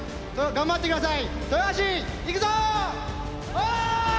頑張って下さい！